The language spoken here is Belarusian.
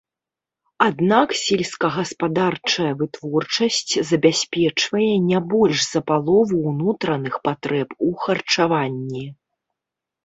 Аднак сельскагаспадарчая вытворчасць забяспечвае не больш за палову ўнутраных патрэб у харчаванні.